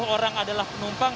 lima puluh orang adalah penumpang